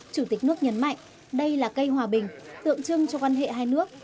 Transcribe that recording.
chủ tịch nước nhấn mạnh đây là cây hòa bình tượng trưng cho quan hệ hai nước